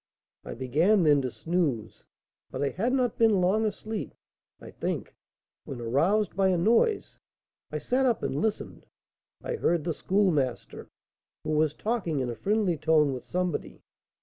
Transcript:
I began then to snooze, but I had not been long asleep, I think, when, aroused by a noise, I sat up and listened. I heard the Schoolmaster, who was talking in a friendly tone with somebody.